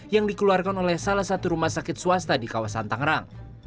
yang dikeluarkan oleh salah satu rumah sakit swasta di kawasan tangerang